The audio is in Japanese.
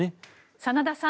真田さん